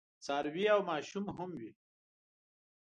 څاروي او ماشوم هم وي.